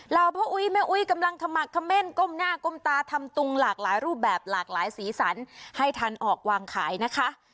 พ่ออุ้ยแม่อุ้ยกำลังขมักเขม่นก้มหน้าก้มตาทำตุงหลากหลายรูปแบบหลากหลายสีสันให้ทันออกวางขายนะคะ